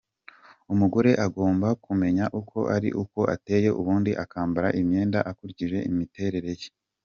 Umugore agomba kumenya uko ari, uko ateye ubundi akambara imyenda akurikije imiterere ye.